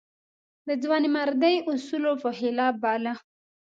د ځوانمردۍ اصولو په خلاف باله.